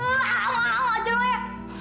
auk auk auk ajar lo ya